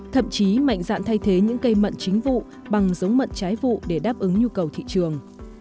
thậm chí mạnh dạn thay thế những cây mận chính vụ bằng giống mận trái vụ để đáp ứng nhu cầu thị trường